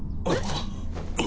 あっ。